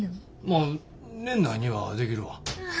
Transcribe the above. まあ年内にはできるわ。